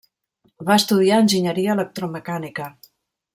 Va estudiar enginyeria electromecànica.